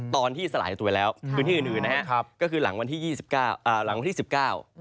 สลายตัวแล้วพื้นที่อื่นอื่นนะครับก็คือหลังวันที่ยี่สิบเก้าอ่าหลังวันที่สิบเก้า